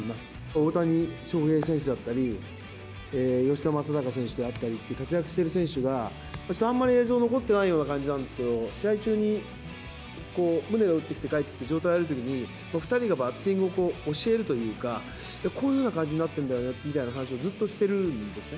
大谷翔平選手だったり、吉田正尚選手であったり、活躍している選手が、ちょっとあんまり映像残ってないような感じだったんですけど、試合中に、ムネが打ってきて、帰ってきて、状態が悪いときに、２人がバッティングを教えるというか、こういうような感じになってんじゃないのみたいな話をずっとしてるんですね。